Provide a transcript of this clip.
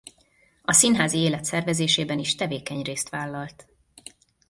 A színházi élet szervezésében is tevékeny részt vállalt.